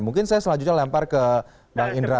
mungkin saya selanjutnya lempar ke bang indra